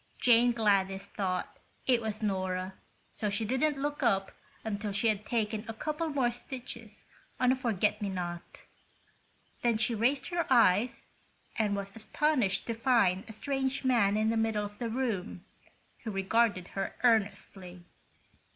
Jane Gladys thought it was Nora, so she didn't look up until she had taken a couple more stitches on a forget me not. Then she raised her eyes and was astonished to find a strange man in the middle of the room, who regarded her earnestly.